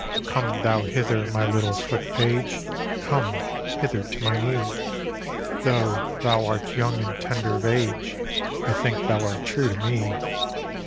" Come thou hither, my little foot page. Come hither to my knee; Though thou art young and tender of age, I think thou art true to me.